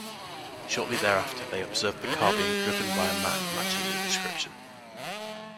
Shortly thereafter they observed the car being driven by a man matching the description.